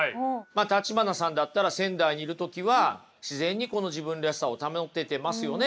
橘さんだったら仙台にいる時は自然にこの自分らしさを保ててますよね。